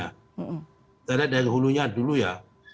kita lihat dari hulunya dulu ya